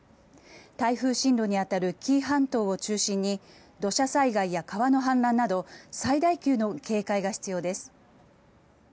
台風進路に当たる紀伊半島を中心に土砂災害や川の氾濫など最大級の警戒が必要です。